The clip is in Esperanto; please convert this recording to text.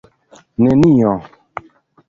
nenio